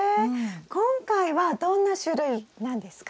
今回はどんな種類なんですか？